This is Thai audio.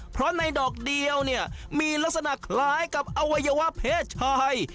เพราะในดอกเดียวเนี่ยมีลักษณะคล้ายกับอวัยวะเพศชาย